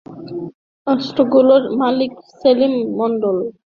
অস্ত্রগুলোর মালিক সেলিম মণ্ডল এবং তাঁর সহযোগী মনসুর, হুমায়ুনসহ গ্রেপ্তার ব্যক্তিরা।